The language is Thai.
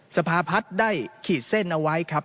สภาพัฒน์ได้ขีดเส้นเอาไว้ครับ